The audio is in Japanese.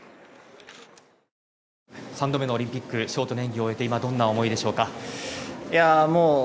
３度目のオリンピックショートの演技を終えて今、どんな思いでしょうか？